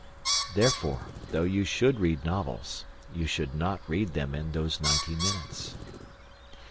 Therefore, though you should read novels, you should not read them in those ninety minutes.